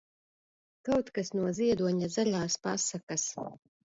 Kaut kas no Ziedoņa "Zaļās pasakas".